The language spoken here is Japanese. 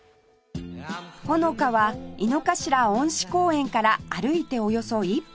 ほの香は井の頭恩賜公園から歩いておよそ１分